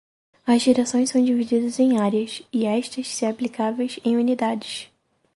As direções são divididas em áreas, e estas, se aplicáveis, em unidades.